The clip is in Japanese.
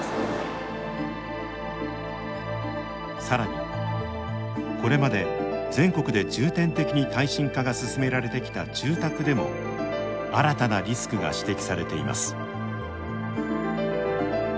さらにこれまで全国で重点的に耐震化が進められてきた住宅でも新たなリスクが指摘されています。